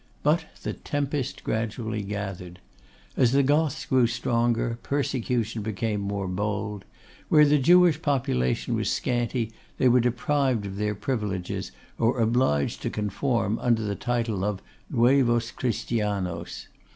But the tempest gradually gathered. As the Goths grew stronger, persecution became more bold. Where the Jewish population was scanty they were deprived of their privileges, or obliged to conform under the title of 'Nuevos Christianos.